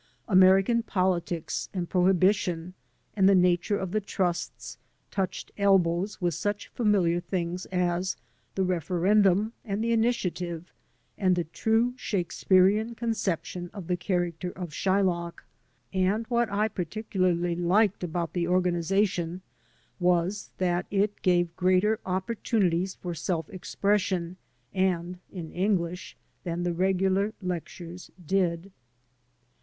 American politics and prohibition and the nature of the trusts touched elbows with such familiar things as the refer endum and the initiative and the true Shakespearian conception of the character of Shy lock; and what I particularly liked about the organization was that it gave greater opportunities for self expression (and in English) than the regular lectiu*es did.